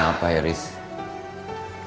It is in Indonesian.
kondisinya baik baik aja